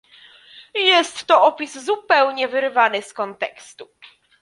Jest to opis zupełnie wyrwany z kontekstu